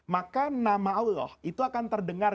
maka nama allah itu akan terdengar